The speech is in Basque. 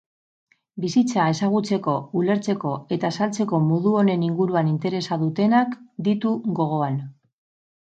Bizitza ezagutzeko, ulertzeko eta azaltzeko modu honen inguruan interesa dutenak ditu gogoan.